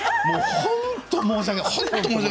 本当に申し訳ない。